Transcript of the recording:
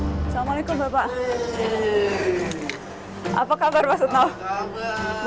assalamualaikum bapak apa kabar pak setonov